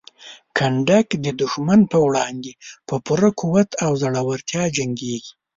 کنډک د دښمن په وړاندې په پوره قوت او زړورتیا جنګیږي.